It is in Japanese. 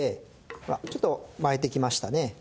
ほらちょと沸いてきましたね。